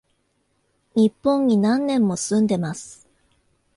日本に何年も住んでます